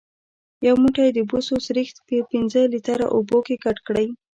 یو موټی د بوسو سريښ په پنځه لیتره اوبو کې ګډ کړئ.